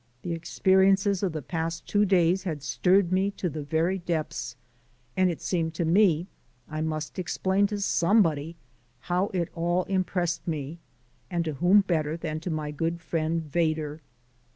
The experiences of the past two days had stirred me to the very depths, and it seemed to me I must explain to somebody how it all impressed me and to whom better than to my good friend Vedder?